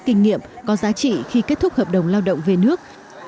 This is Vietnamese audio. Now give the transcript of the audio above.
kinh nghiệm có giá trị khi kết thúc hợp đồng lao động về nước